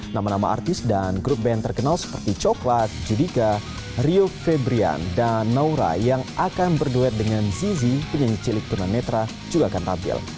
nama nama artis dan grup band terkenal seperti coklat judika rio febrian dan naura yang akan berduet dengan zizi penyanyi cilik tunanetra juga akan tampil